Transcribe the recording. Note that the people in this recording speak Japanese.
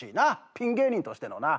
ピン芸人としてのな。